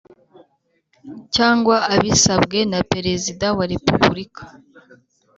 cyangwa abisabwe na Perezida wa Repubulika